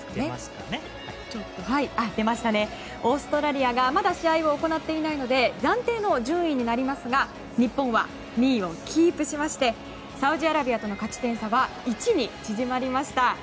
オーストラリアがまだ試合を行っていないので暫定の順位になりますが日本は２位をキープしましてサウジアラビアとの勝ち点差は１に縮まりました。